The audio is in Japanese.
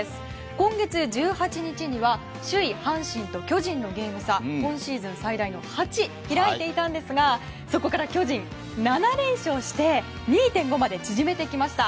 今月１８日には首位、阪神と巨人のゲーム差は今シーズン最大の８開いていたんですがそこから巨人、７連勝して２．５まで縮めてきました。